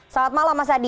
selamat malam mas adi